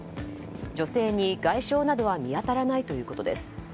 女性に外傷などは見当たらないということです。